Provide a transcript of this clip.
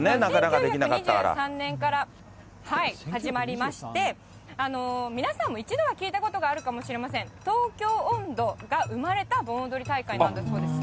１９２３年から始まりまして、皆さんも一度は聴いたことがあるかもしれません、東京音頭が生まれた盆踊り大会なんだそうです。